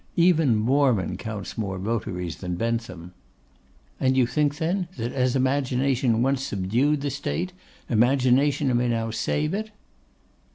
Even Mormon counts more votaries than Bentham.' 'And you think, then, that as Imagination once subdued the State, Imagination may now save it?